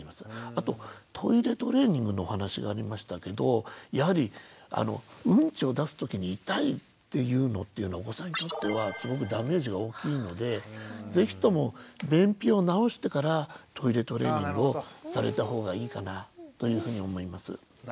あとトイレトレーニングのお話がありましたけどやはりウンチを出す時に痛いっていうのはお子さんにとってはすごくダメージが大きいので是非とも便秘を治してからトイレトレーニングをされた方がいいかなというふうに思います。